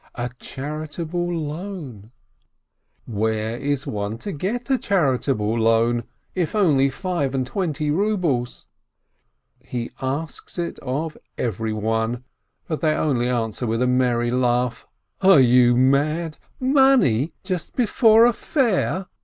A charitable loan — where is one to get a chari table loan? If only five and twenty rubles! He asks it of everyone, but they only answer with a merry laugh :' "Are you mad ? Money — just before a fair